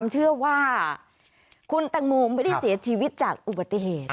เชื่อว่าคุณแตงโมไม่ได้เสียชีวิตจากอุบัติเหตุ